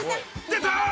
出た！